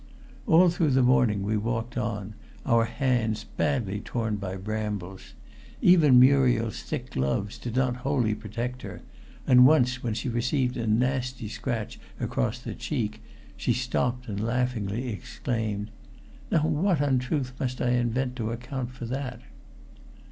All through the morning we walked on, our hands badly torn by brambles. Even Muriel's thick gloves did not wholly protect her, and once when she received a nasty scratch across the cheek, she stopped and laughingly exclaimed: "Now what untruth must I invent to account for that?"